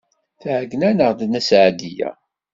Tɛeyyen-aneɣ-d Nna Seɛdiya.